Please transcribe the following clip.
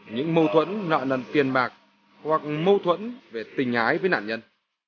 những mâu thuẫn nợ nần tiền bạc hoặc mâu thuẫn về tình hái với nạn nhân